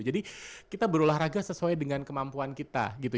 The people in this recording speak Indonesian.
jadi kita berolahraga sesuai dengan kemampuan kita gitu